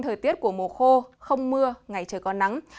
thời tiết của mùa khô không mưa ngày trời có nắng